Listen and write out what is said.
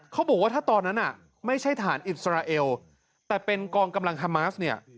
เขาบอกว่าถ้าตอนนั้นไม่ใช่ฐานอิสราเอลแต่เป็นกองกำลังฮามาสเนี่ย